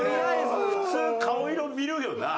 普通顔色見るよな。